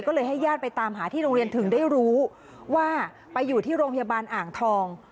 ก็เลยให้ญาติไปตามหาที่โรงเรียนถึงได้รู้ว่าไปอยู่ที่โรงพยาบาลอ่างทอง